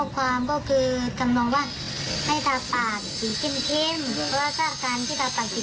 ความลับเก่งไม่มีอาการมันก็จะเป็นอาการให้คนอื่นรู้